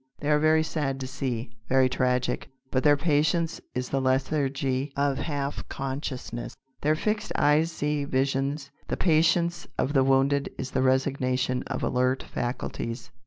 They are very sad to see, very tragic, but their patience is the lethargy of half consciousness. Their fixed eyes see visions. The patience of the wounded is the resignation of alert faculties.